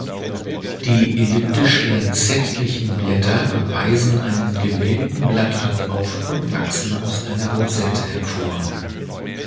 Die elliptisch-lanzettlichen Blätter weisen einen gewellten Blattrand auf und wachsen aus einer Rosette hervor.